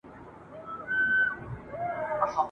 د مغرور عقل په برخه زولنې کړي !.